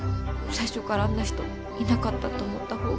最初からあんな人いなかったと思った方が。